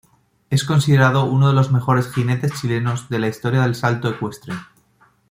Es considerado uno de los mejores jinetes chilenos de la historia del salto ecuestre.